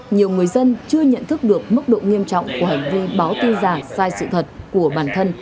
nhiều người dân chưa nhận thức được mức độ nghiêm trọng của hành vi báo tin giả sai sự thật của bản thân